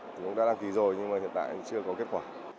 thì cũng đã đăng ký rồi nhưng mà hiện tại chưa có kết quả